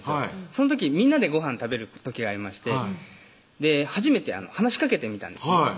その時みんなでごはん食べる時がありまして初めて話しかけてみたんですね